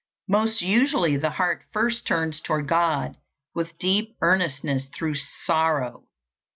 Most usually the heart first turns toward God with deep earnestness through sorrow.